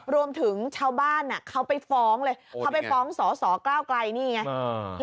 รวมถึงชาวบ้านเขาไปฟ้องสสเก้าไกล